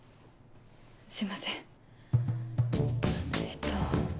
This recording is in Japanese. すいませんえっと。